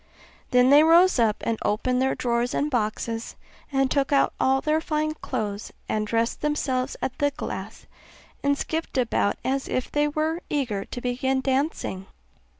Then they rose up and opened their drawers and boxes, and took out all their fine clothes, and dressed themselves at the glass, and skipped about as if they were eager to begin dancing.